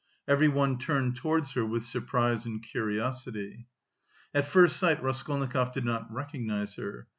Everyone turned towards her with surprise and curiosity. At first sight, Raskolnikov did not recognise her.